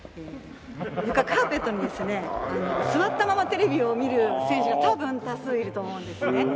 床カーペットにですね座ったままテレビを見る選手が多分多数いると思うんですね。